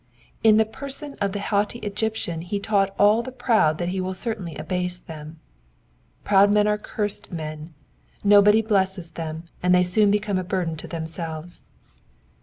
'* In the person •f the haughty Egyptian he taught all the proud that he will certainly abase them. Proud men are cursed men : nobody blesses them, and they soon become a burden to themselves.